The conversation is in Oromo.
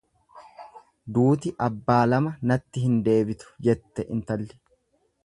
Duuti abbaa lama natti hin deebitu jette intalli.